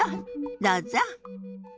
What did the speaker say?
どうぞ。